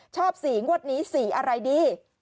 ชอบ๔งวดนี้๔อะไรดี